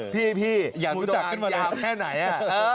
พี่พี่อย่างที่เรายาวแค่ไหนอ่ะเออ